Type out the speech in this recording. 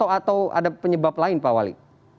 atau ada penyebab lain pak wali